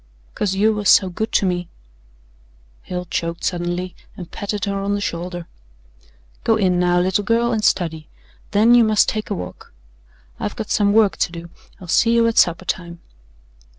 "Cause you was so good to me." Hale choked suddenly and patted her on the shoulder. "Go in, now, little girl, and study. Then you must take a walk. I've got some work to do. I'll see you at supper time."